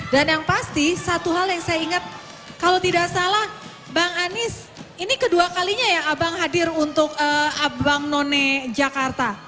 dan yang pasti satu hal yang saya ingat kalau tidak salah bang anies ini kedua kalinya ya abang hadir untuk abang none jakarta